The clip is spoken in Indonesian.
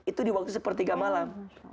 itu di waktu sepuluh tiga malam